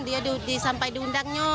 dia disampai diundangnya